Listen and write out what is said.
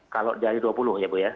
kalau dari dua puluh ya bu ya